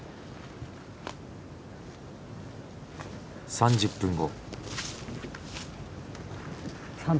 ３０分後。